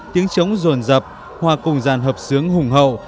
tiếng trống ruồn dập hoa cùng dàn hợp sướng hùng hậu